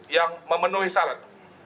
yang memenuhi syarat